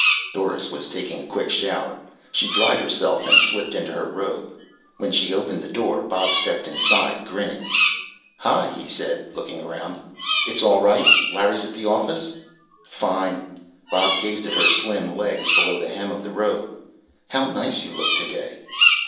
Doris was taking a quick shower. She dried herself and slipped into her robe. When she opened the door Bob stepped inside, grinning. "Hi," he said, looking around. "It's all right. Larry's at the office." "Fine." Bob gazed at her slim legs below the hem of the robe. "How nice you look today."